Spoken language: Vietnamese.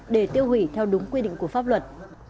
để tiêu hủy theo đúng quy định của pháp luật